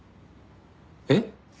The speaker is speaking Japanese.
えっ？